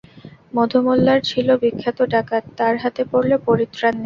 মধুমোল্লার ছিল বিখ্যাত ডাকাত, তার হাতে পড়লে পরিত্রাণ নেই।